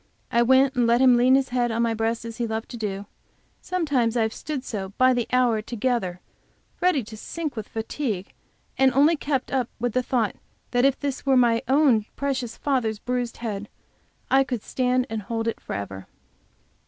I went and let him lean his head on my breast, as he loved to do. Sometimes I have stood so by the hour together ready to sink with fatigue, and only kept up with the thought that if this were my own precious father's bruised head I could stand and hold it forever.